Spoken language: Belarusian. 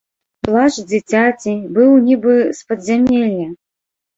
Плач дзіцяці быў нібы з падзямелля.